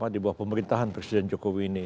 di bawah pemerintahan presiden jokowi ini